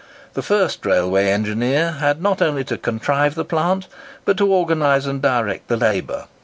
The first railway engineer had not only to contrive the plant, but to organise and direct the labour.